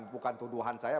bukan tuduhan saya